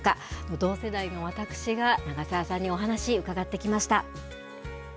同世代の私が長澤さんにお話伺ってきました。